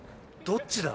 「どっちだ？」